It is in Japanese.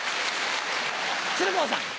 鶴光さん。